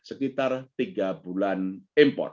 sekitar tiga bulan impor